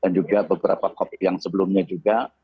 dan juga beberapa cop yang sebelumnya juga